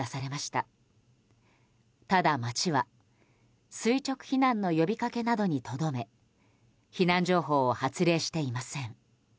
ただ町は垂直避難の呼びかけなどにとどめ避難情報を発令していません。